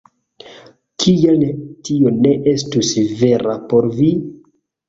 Kial tio ne estus vera por vi?